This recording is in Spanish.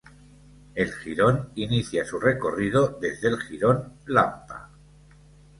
El jirón inicia su recorrido desde el Jirón Lampa.